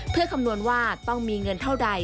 เพื่อคำนวณว่าต้องมีเงินเท่าใด